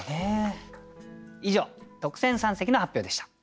以上特選三席の発表でした。